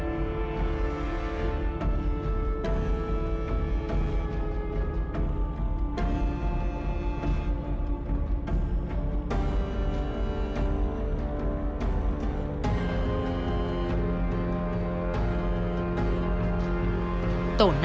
tổ quốc tác thứ ba